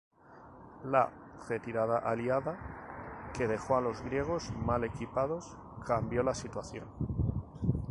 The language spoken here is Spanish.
La retirada aliada, que dejó a los griegos mal equipados, cambió la situación.